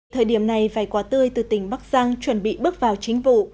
thời điểm này vải quả tươi từ tỉnh bắc giang chuẩn bị bước vào chính vụ